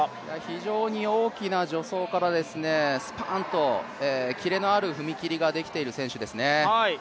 非常に大きな助走からスパーンとキレのある踏み切りができている選手ですね。